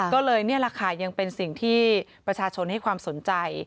ก็เลยนี่แหละค่ะยังเป็นสิ่งที่ประชาชนให้ความสนใจ